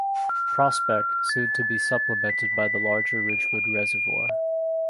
Prospect, soon to be supplemented by the larger Ridgewood Reservoir.